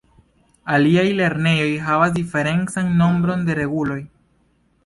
Aliaj lernejoj havas diferencan nombron de reguloj.